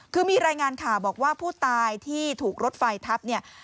คือมีรายงานข่าวบอกว่าผู้ตายที่ถูกรถไฟทับเนี่ย